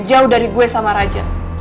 jauh dari gue sama raja